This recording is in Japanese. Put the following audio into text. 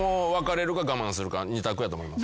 ２択やと思います。